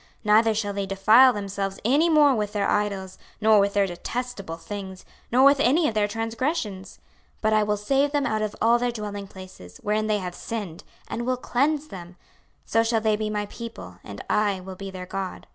26:037:023 Neither shall they defile themselves any more with their idols, nor with their detestable things, nor with any of their transgressions: but I will save them out of all their dwellingplaces, wherein they have sinned, and will cleanse them: so shall they be my people, and I will be their God.